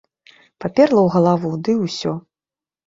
Паперла ў галаву, ды і ўсё.